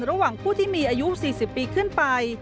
ระหว่างผู้ที่มีอายุ๔๐ปีขึ้นไป